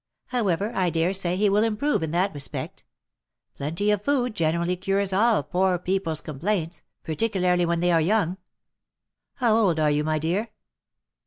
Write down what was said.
However, I dare say he will improve in that respect. Plenty of food generally cures all poor people's complaints, par ticularly when they are young. How old are you, my dear